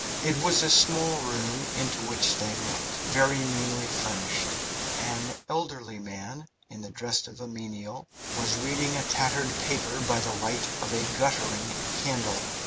It was a small room into which they looked, very meanly furnished. An elderly man, in the dress of a menial, was reading a tattered paper by the light of a guttering candle.